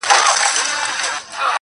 په یوه آواز راووتل له ښاره-